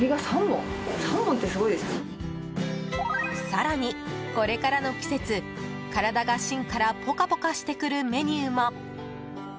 更に、これからの季節体が芯からポカポカしてくるメニューも。